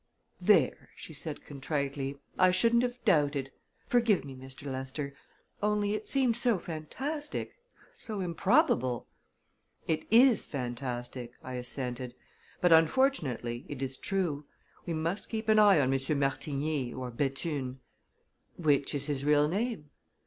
"There," she said contritely; "I shouldn't have doubted! Forgive me, Mr. Lester. Only it seemed so fantastic so improbable " "It is fantastic," I assented, "but, unfortunately, it is true. We must keep an eye on Monsieur Martigny or Bethune." "Which is his real name?"